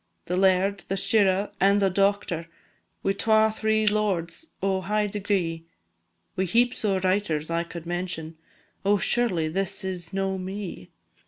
The Laird, the Shirra, and the Doctor, Wi' twa three Lords o' high degree; Wi' heaps o' Writers I could mention Oh, surely this is no me!